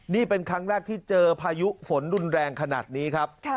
นี่เป็นครั้งแรกที่เจอพายุฝนรุนแรงขนาดนี้ครับ